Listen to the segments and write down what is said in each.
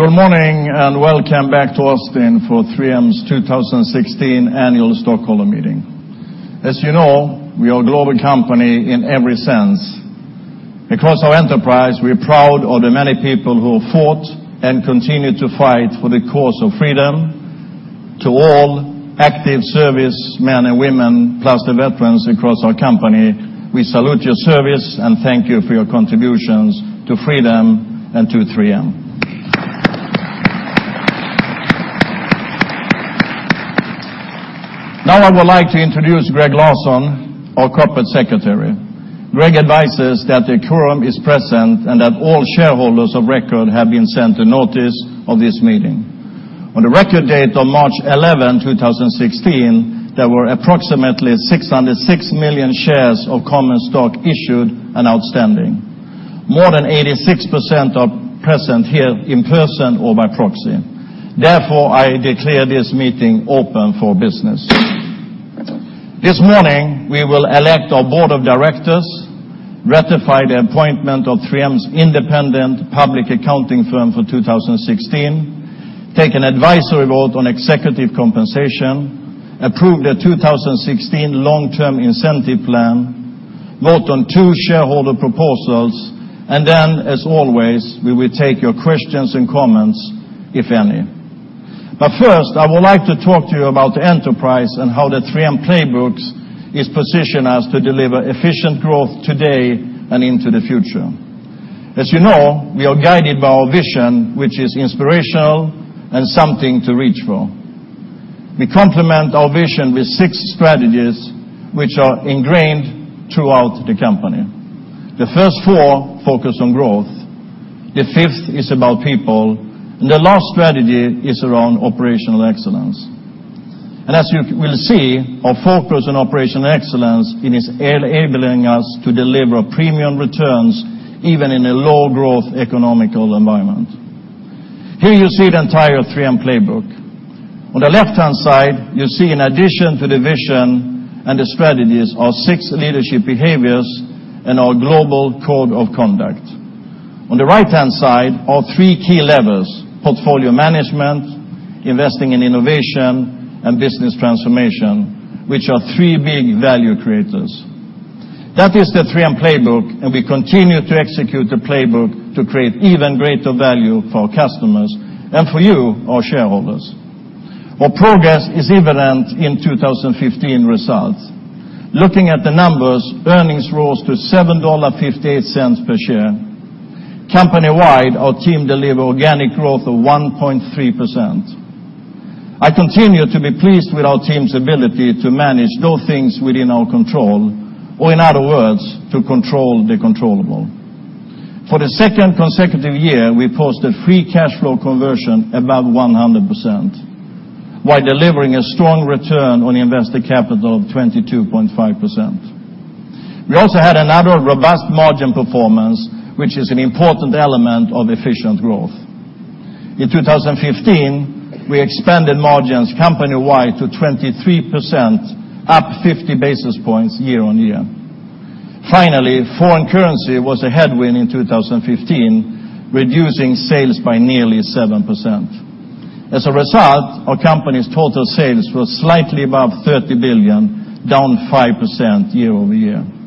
Good morning, welcome back to Austin for 3M's 2016 Annual Stockholder Meeting. As you know, we are a global company in every sense. Across our enterprise, we are proud of the many people who have fought and continue to fight for the cause of freedom. To all active service men and women, plus the veterans across our company, we salute your service and thank you for your contributions to freedom and to 3M. I would like to introduce Greg Lawson, our corporate secretary. Greg advises that a quorum is present and that all shareholders of record have been sent a notice of this meeting. On the record date of March 11, 2016, there were approximately 606 million shares of common stock issued and outstanding. More than 86% are present here in person or by proxy. I declare this meeting open for business. This morning, we will elect our board of directors, ratify the appointment of 3M's independent public accounting firm for 2016, take an advisory vote on executive compensation, approve the 2016 long-term incentive plan, vote on two shareholder proposals, and then, as always, we will take your questions and comments, if any. First, I would like to talk to you about the enterprise and how the 3M Playbook is positioned to deliver efficient growth today and into the future. As you know, we are guided by our vision, which is inspirational and something to reach for. We complement our vision with six strategies, which are ingrained throughout the company. The first four focus on growth. The fifth is about people, and the last strategy is around operational excellence. As you will see, our focus on operational excellence is enabling us to deliver premium returns, even in a low growth economic environment. Here you see the entire 3M Playbook. On the left-hand side, you see in addition to the vision and the strategies, our six leadership behaviors and our global code of conduct. On the right-hand side, our three key levers, portfolio management, investing in innovation, and business transformation, which are three big value creators. That is the 3M Playbook, and we continue to execute the Playbook to create even greater value for our customers and for you, our shareholders. Our progress is evident in 2015 results. Looking at the numbers, earnings rose to $7.58 per share. Company-wide, our team delivered organic growth of 1.3%. I continue to be pleased with our team's ability to manage those things within our control, or in other words, to control the controllable. For the second consecutive year, we posted free cash flow conversion above 100%, while delivering a strong return on invested capital of 22.5%. We also had another robust margin performance, which is an important element of efficient growth. In 2015, we expanded margins company-wide to 23%, up 50 basis points year-over-year. Foreign currency was a headwind in 2015, reducing sales by nearly 7%. As a result, our company's total sales were slightly above $30 billion, down 5% year-over-year.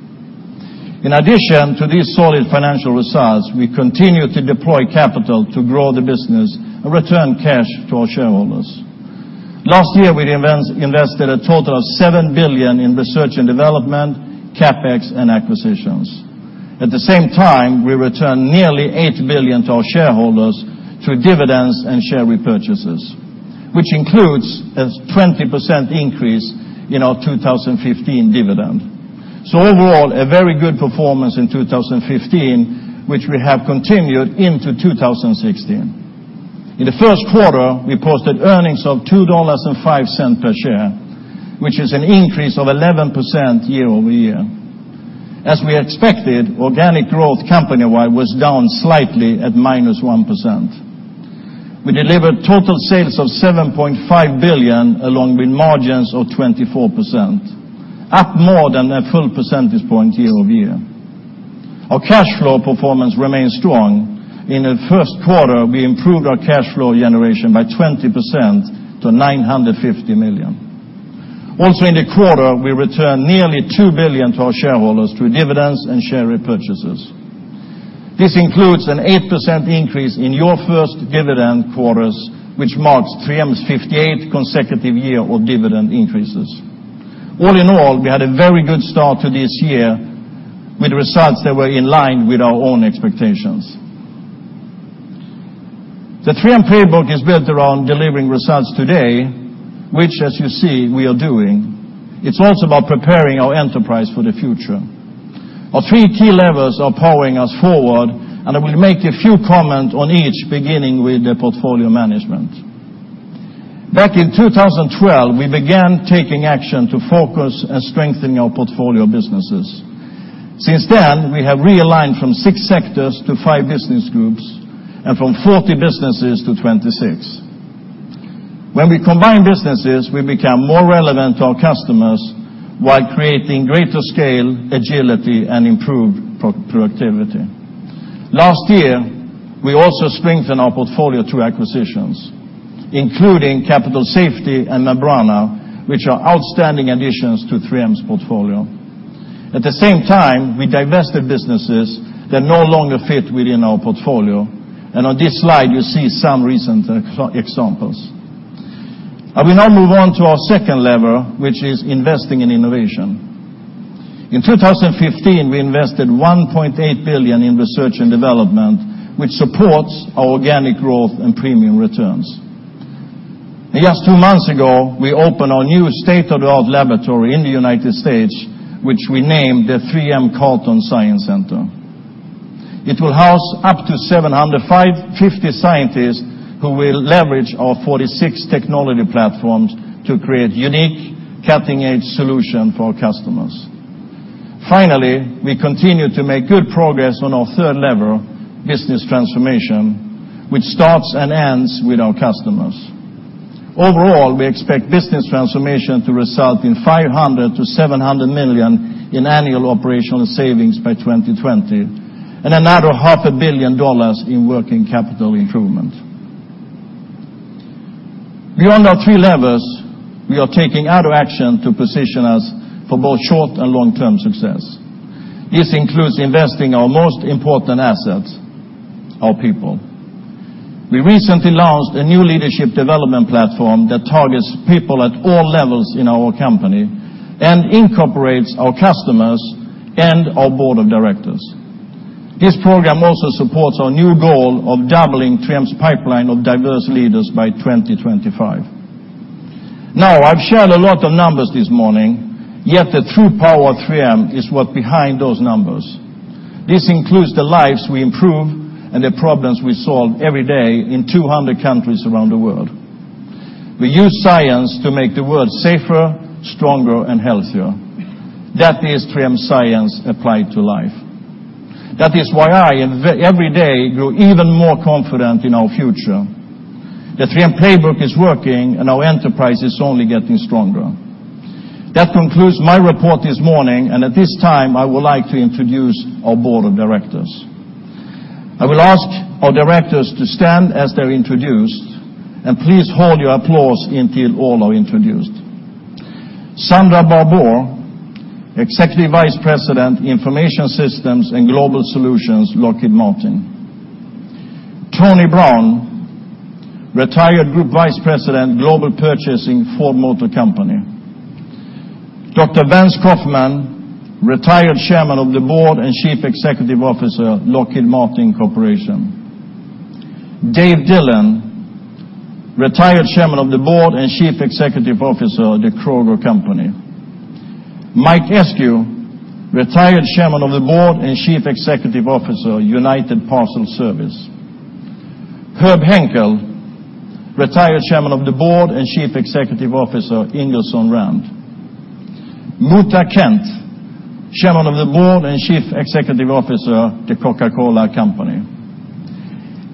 In addition to these solid financial results, we continue to deploy capital to grow the business and return cash to our shareholders. Last year, we invested a total of $7 billion in research and development, CapEx, and acquisitions. At the same time, we returned nearly $8 billion to our shareholders through dividends and share repurchases, which includes a 20% increase in our 2015 dividend. Overall, a very good performance in 2015, which we have continued into 2016. In the first quarter, we posted earnings of $2.05 per share, which is an increase of 11% year-over-year. As we expected, organic growth company-wide was down slightly at minus 1%. We delivered total sales of $7.5 billion, along with margins of 24%, up more than a full percentage point year-over-year. Our cash flow performance remains strong. In the first quarter, we improved our cash flow generation by 20% to $950 million. Also in the quarter, we returned nearly $2 billion to our shareholders through dividends and share repurchases. This includes an 8% increase in your first dividend quarter, which marks 3M's 58th consecutive year of dividend increases. All in all, we had a very good start to this year with results that were in line with our own expectations. The 3M Playbook is built around delivering results today, which, as you see, we are doing. It's also about preparing our enterprise for the future. Our three key levers are powering us forward. I will make a few comments on each, beginning with the portfolio management. Back in 2012, we began taking action to focus and strengthen our portfolio of businesses. Since then, we have realigned from six sectors to five business groups and from 40 businesses to 26. When we combine businesses, we become more relevant to our customers while creating greater scale, agility, and improved productivity. Last year, we also strengthened our portfolio through acquisitions, including Capital Safety and Membrana, which are outstanding additions to 3M's portfolio. At the same time, we divested businesses that no longer fit within our portfolio. On this slide, you see some recent examples. I will now move on to our second lever, which is investing in innovation. In 2015, we invested $1.8 billion in research and development, which supports our organic growth and premium returns. Just two months ago, we opened our new state-of-the-art laboratory in the U.S., which we named the 3M Carlton Science Center. It will house up to 750 scientists, who will leverage our 46 technology platforms to create unique, cutting-edge solutions for our customers. Finally, we continue to make good progress on our third lever, business transformation, which starts and ends with our customers. Overall, we expect business transformation to result in $500 million-$700 million in annual operational savings by 2020 and another half a billion dollars in working capital improvement. Beyond our three levers, we are taking other action to position us for both short and long-term success. This includes investing our most important asset, our people. We recently launched a new leadership development platform that targets people at all levels in our company and incorporates our customers and our board of directors. This program also supports our new goal of doubling 3M's pipeline of diverse leaders by 2025. I've shared a lot of numbers this morning, yet the true power of 3M is what's behind those numbers. This includes the lives we improve and the problems we solve every day in 200 countries around the world. We use science to make the world safer, stronger, and healthier. That is 3M science applied to life. That is why I, every day, grow even more confident in our future. The 3M Playbook is working, and our enterprise is only getting stronger. That concludes my report this morning, and at this time, I would like to introduce our Board of Directors. I will ask our directors to stand as they're introduced, and please hold your applause until all are introduced. Sondra Barbour, Executive Vice President, Information Systems and Global Solutions, Lockheed Martin. Tony Brown, retired Group Vice President, Global Purchasing, Ford Motor Company. Dr. Vance Coffman, retired Chairman of the Board and Chief Executive Officer, Lockheed Martin Corporation. Dave Dillon, retired Chairman of the Board and Chief Executive Officer, The Kroger Co. Mike Eskew, retired Chairman of the Board and Chief Executive Officer, United Parcel Service. Herb Henkel, retired Chairman of the Board and Chief Executive Officer, Ingersoll Rand. Muhtar Kent, Chairman of the Board and Chief Executive Officer, The Coca-Cola Company.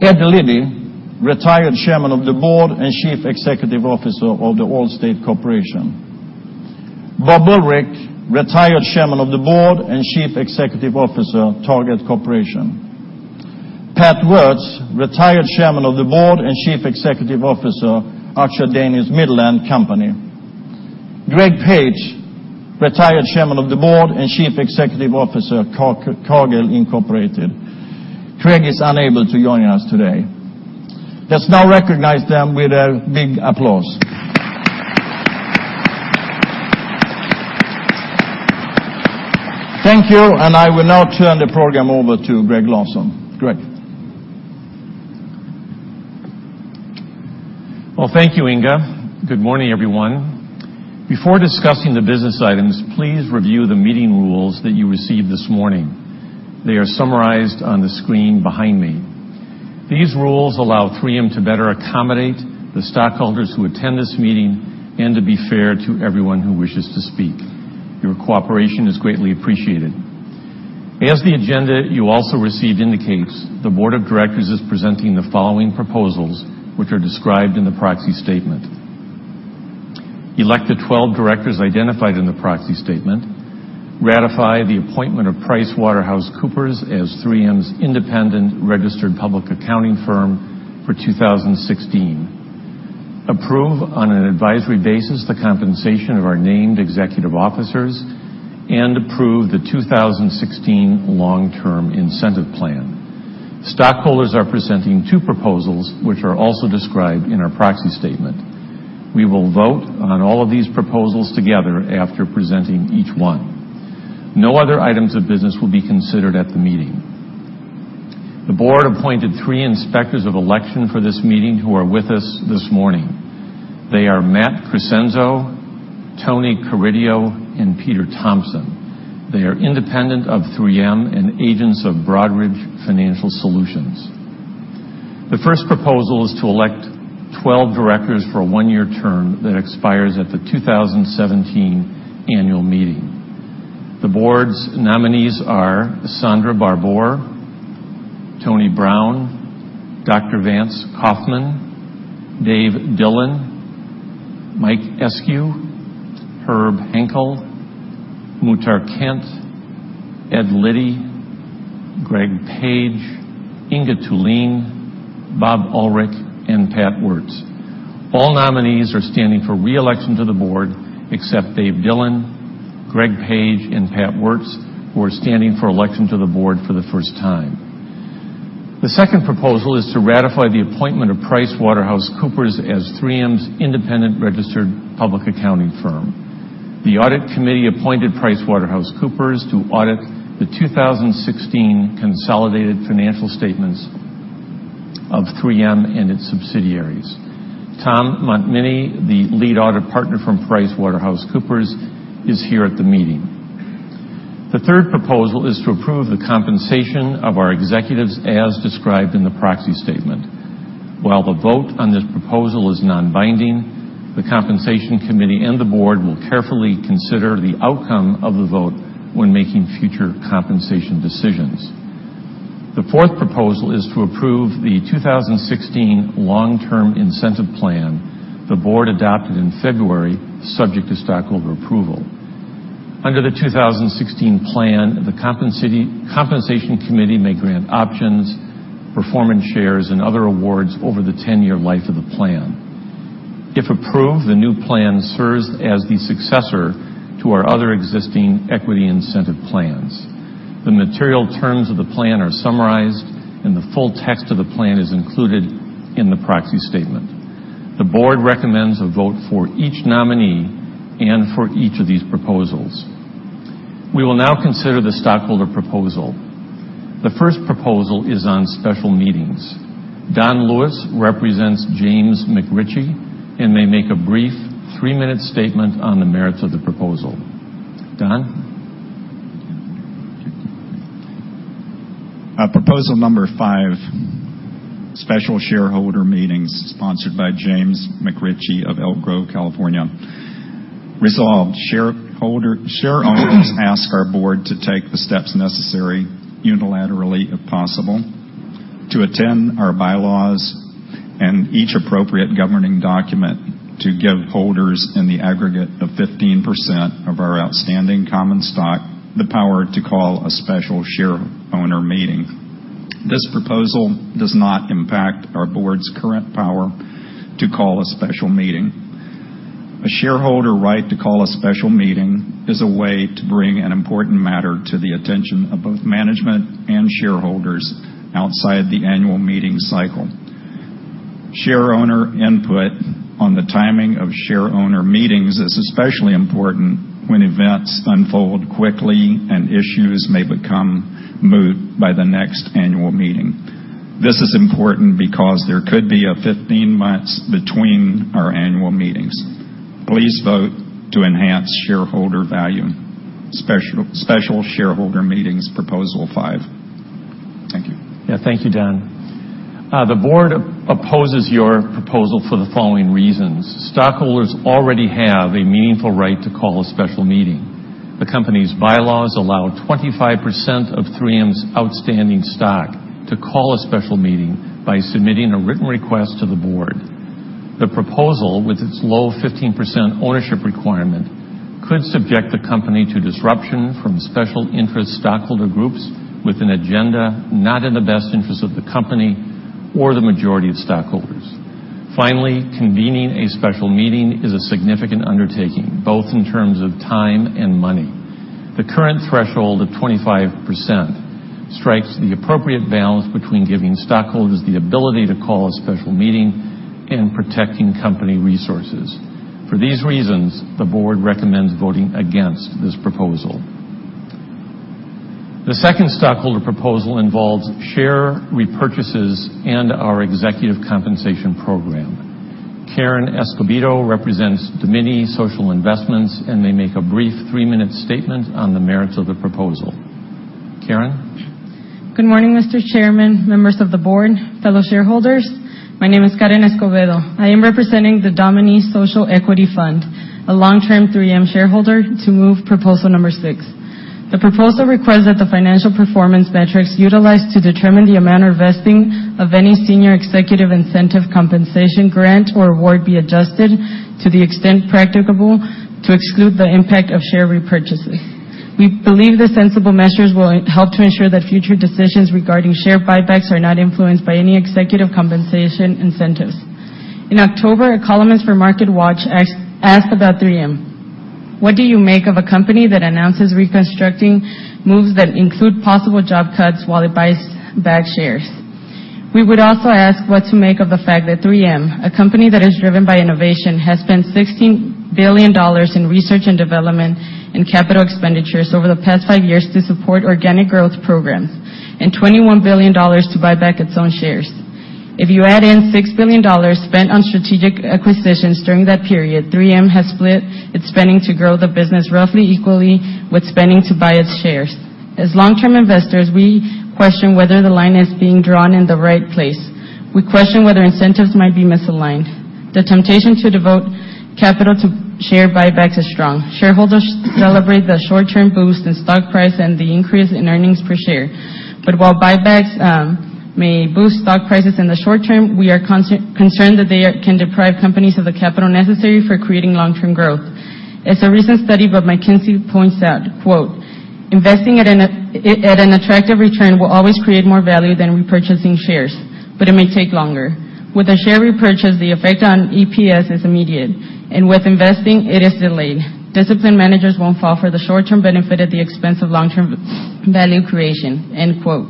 Ed Liddy, retired Chairman of the Board and Chief Executive Officer of The Allstate Corporation. Bob Ulrich, retired Chairman of the Board and Chief Executive Officer, Target Corporation. Pat Woertz, retired Chairman of the Board and Chief Executive Officer, Archer Daniels Midland Company. Greg Page, retired Chairman of the Board and Chief Executive Officer, Cargill, Incorporated. Greg is unable to join us today. Let's now recognize them with a big applause. Thank you. I will now turn the program over to Greg Lawson. Greg? Thank you, Inge. Good morning, everyone. Before discussing the business items, please review the meeting rules that you received this morning. They are summarized on the screen behind me. These rules allow 3M to better accommodate the stockholders who attend this meeting and to be fair to everyone who wishes to speak. Your cooperation is greatly appreciated. As the agenda you also received indicates, the Board of Directors is presenting the following proposals, which are described in the proxy statement: elect the 12 directors identified in the proxy statement, ratify the appointment of PricewaterhouseCoopers as 3M's independent registered public accounting firm for 2016, approve on an advisory basis the compensation of our named executive officers, and approve the 2016 long-term incentive plan. Stockholders are presenting two proposals, which are also described in our proxy statement. We will vote on all of these proposals together after presenting each one. No other items of business will be considered at the meeting. The Board appointed three inspectors of election for this meeting who are with us this morning. They are Matt Crescenzo, Tony Corridio, and Peter Thompson. They are independent of 3M and agents of Broadridge Financial Solutions. The first proposal is to elect 12 directors for a one-year term that expires at the 2017 annual meeting. The Board's nominees are Sondra Barbour, Tony Brown, Dr. Vance Coffman, Dave Dillon, Mike Eskew, Herb Henkel, Muhtar Kent, Ed Liddy, Greg Page, Inge Thulin, Bob Ulrich, and Pat Woertz. All nominees are standing for re-election to the Board, except Dave Dillon, Greg Page, and Pat Woertz, who are standing for election to the Board for the first time. The second proposal is to ratify the appointment of PricewaterhouseCoopers as 3M's independent registered public accounting firm. The audit committee appointed PricewaterhouseCoopers to audit the 2016 consolidated financial statements of 3M and its subsidiaries. Tom Montminy, the lead audit partner from PricewaterhouseCoopers, is here at the meeting. The third proposal is to approve the compensation of our executives as described in the proxy statement. While the vote on this proposal is non-binding, the compensation committee and the board will carefully consider the outcome of the vote when making future compensation decisions. The fourth proposal is to approve the 2016 long-term incentive plan the board adopted in February, subject to stockholder approval. Under the 2016 plan, the Compensation Committee may grant options, performance shares, and other awards over the 10-year life of the plan. If approved, the new plan serves as the successor to our other existing equity incentive plans. The material terms of the plan are summarized, and the full text of the plan is included in the proxy statement. The board recommends a vote for each nominee and for each of these proposals. We will now consider the stockholder proposal. The first proposal is on special meetings. Don Lewis represents James McRitchie, and may make a brief three-minute statement on the merits of the proposal. Don? Proposal number 5, special shareholder meetings sponsored by James McRitchie of Elk Grove, California. Resolved, shareowners ask our board to take the steps necessary, unilaterally if possible, to attend our bylaws and each appropriate governing document to give holders in the aggregate of 15% of our outstanding common stock the power to call a special shareowner meeting. This proposal does not impact our board's current power to call a special meeting. A shareholder right to call a special meeting is a way to bring an important matter to the attention of both management and shareholders outside the annual meeting cycle. Shareowner input on the timing of shareowner meetings is especially important when events unfold quickly and issues may become moot by the next annual meeting. This is important because there could be 15 months between our annual meetings. Please vote to enhance shareholder value. Special shareholder meetings, Proposal 5. Thank you. Thank you, Don Lewis. The board opposes your proposal for the following reasons. Stockholders already have a meaningful right to call a special meeting. The company's bylaws allow 25% of 3M's outstanding stock to call a special meeting by submitting a written request to the board. The proposal, with its low 15% ownership requirement, could subject the company to disruption from special interest stockholder groups with an agenda not in the best interest of the company or the majority of stockholders. Convening a special meeting is a significant undertaking, both in terms of time and money. The current threshold of 25% strikes the appropriate balance between giving stockholders the ability to call a special meeting and protecting company resources. For these reasons, the board recommends voting against this proposal. The second stockholder proposal involves share repurchases and our executive compensation program. Karen Escobedo represents Domini Social Investments, may make a brief three-minute statement on the merits of the proposal. Karen? Good morning, Mr. Chairman, members of the board, fellow shareholders. My name is Karen Escobedo. I am representing the Domini Social Equity Fund, a long-term 3M shareholder, to move proposal number six. The proposal requires that the financial performance metrics utilized to determine the amount or vesting of any senior executive incentive compensation grant or award be adjusted to the extent practicable to exclude the impact of share repurchases. We believe the sensible measures will help to ensure that future decisions regarding share buybacks are not influenced by any executive compensation incentives. In October, a columnist for MarketWatch asked about 3M: What do you make of a company that announces restructuring moves that include possible job cuts while it buys back shares? We would also ask what to make of the fact that 3M, a company that is driven by innovation, has spent $16 billion in research and development and capital expenditures over the past five years to support organic growth programs, $21 billion to buy back its own shares. If you add in $6 billion spent on strategic acquisitions during that period, 3M has split its spending to grow the business roughly equally with spending to buy its shares. As long-term investors, we question whether the line is being drawn in the right place. We question whether incentives might be misaligned. The temptation to devote capital to share buybacks is strong. Shareholders celebrate the short-term boost in stock price and the increase in earnings per share. While buybacks may boost stock prices in the short term, we are concerned that they can deprive companies of the capital necessary for creating long-term growth. As a recent study by McKinsey points out, quote, "Investing at an attractive return will always create more value than repurchasing shares, but it may take longer. With a share repurchase, the effect on EPS is immediate, and with investing, it is delayed. Disciplined managers won't fall for the short-term benefit at the expense of long-term value creation." End quote.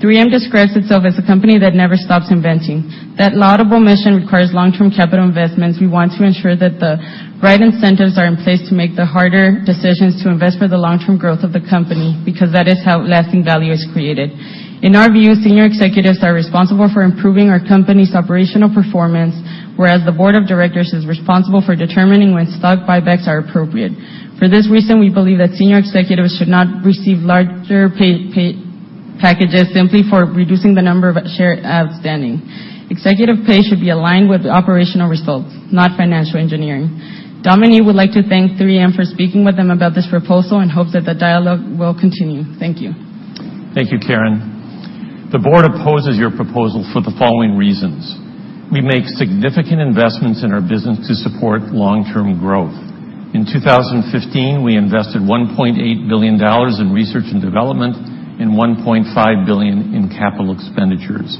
3M describes itself as a company that never stops inventing. That laudable mission requires long-term capital investments. We want to ensure that the right incentives are in place to make the harder decisions to invest for the long-term growth of the company, because that is how lasting value is created. In our view, senior executives are responsible for improving our company's operational performance, whereas the board of directors is responsible for determining when stock buybacks are appropriate. For this reason, we believe that senior executives should not receive larger pay packages simply for reducing the number of shares outstanding. Executive pay should be aligned with operational results, not financial engineering. Domini would like to thank 3M for speaking with them about this proposal and hopes that the dialogue will continue. Thank you. Thank you, Karen. The board opposes your proposal for the following reasons. We make significant investments in our business to support long-term growth. In 2015, we invested $1.8 billion in research and development and $1.5 billion in capital expenditures.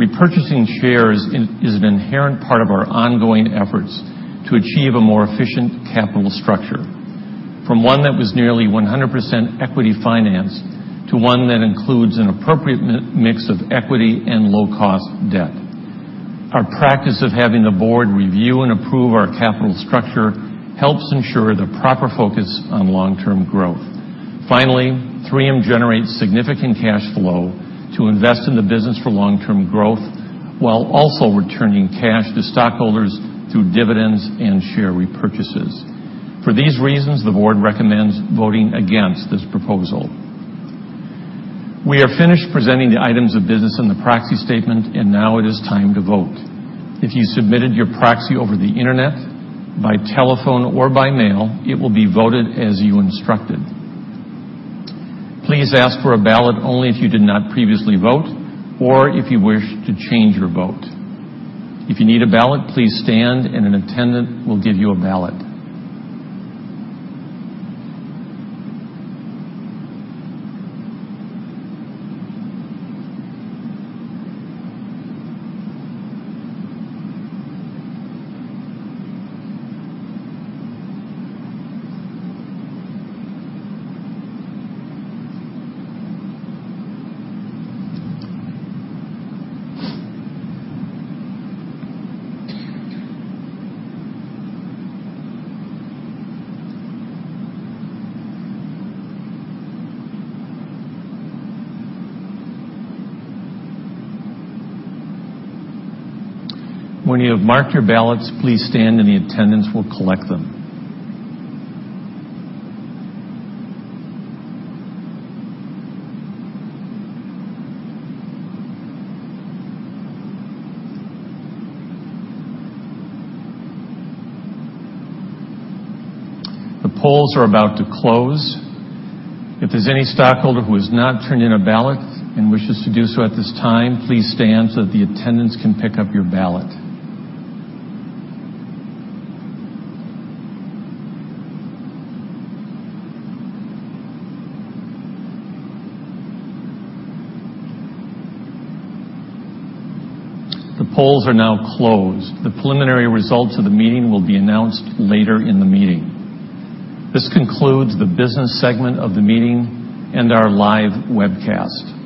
Repurchasing shares is an inherent part of our ongoing efforts to achieve a more efficient capital structure, from one that was nearly 100% equity financed to one that includes an appropriate mix of equity and low-cost debt. Our practice of having the board review and approve our capital structure helps ensure the proper focus on long-term growth. Finally, 3M generates significant cash flow to invest in the business for long-term growth while also returning cash to stockholders through dividends and share repurchases. For these reasons, the board recommends voting against this proposal. We are finished presenting the items of business in the proxy statement, and now it is time to vote. If you submitted your proxy over the internet, by telephone, or by mail, it will be voted as you instructed. Please ask for a ballot only if you did not previously vote or if you wish to change your vote. If you need a ballot, please stand and an attendant will give you a ballot. When you have marked your ballots, please stand and the attendants will collect them. The polls are about to close. If there's any stockholder who has not turned in a ballot and wishes to do so at this time, please stand so that the attendants can pick up your ballot. The polls are now closed. The preliminary results of the meeting will be announced later in the meeting. This concludes the business segment of the meeting and our live webcast.